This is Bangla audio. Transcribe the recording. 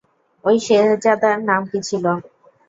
ঐ শেহজাদার নাম কি ছিল?